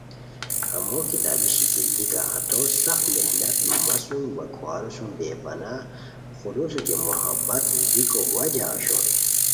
ہمو کتابی شکل دیکہ ہتو سخت محنت مہ سوم وا کھوارو سُم بے پناہ خلوص اوچے محبت بیکو وجہ اوشوئے